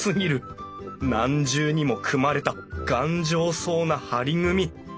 何重にも組まれた頑丈そうな梁組み。